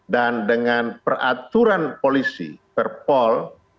dan dengan peraturan polisi perpol